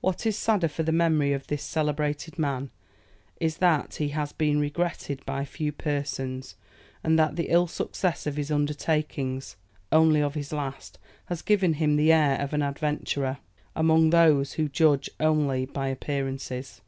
What is sadder for the memory of this celebrated man, is that he has been regretted by few persons, and that the ill success of his undertakings only of his last has given him the air of an adventurer, among those who judge only by appearances.